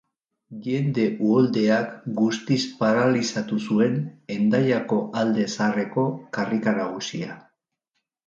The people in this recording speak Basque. Jende uholdeak guztiz paralizatu zuen Hendaiako alde zaharreko karrika nagusia.